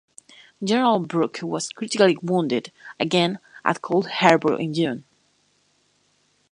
General Brooke was critically wounded, again, at Cold Harbor in June.